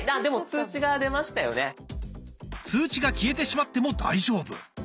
通知が消えてしまっても大丈夫。